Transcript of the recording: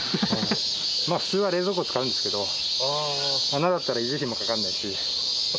普通は冷蔵庫使うんですけど穴だったら維持費もかかんないし。